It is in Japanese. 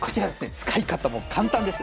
使い方も簡単です。